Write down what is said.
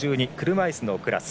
車いすのクラス。